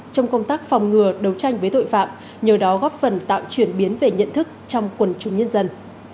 trong công tác phòng ngừa đấu tranh với tội phạm nhờ đó góp phần tạo chuyển biến về nhận thức trong quần chúng nhân dân